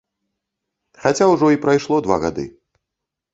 Хаця ўжо і прайшло два гады.